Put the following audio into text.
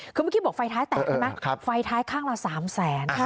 คือเมื่อกี้บอกไฟท้ายแตกใช่ไหมไฟท้ายข้างละ๓แสน